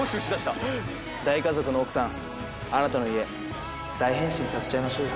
大家族の奥さんあなたの家大変身させちゃいましょうよ。